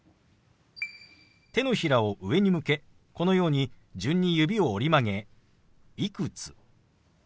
手のひらを上に向けこのように順に指を折り曲げ「いくつ」。